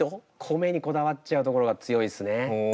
米にこだわっちゃうところが強いですね